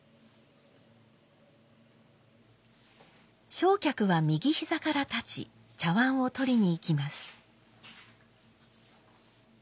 正客は右膝から立ち茶碗を取りに行きます。